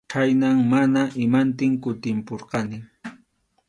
Chhaynam mana imantin kutimpurqani.